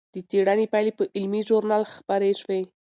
د څېړنې پایلې په علمي ژورنال خپرې شوې.